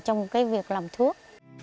trong việc làm thuốc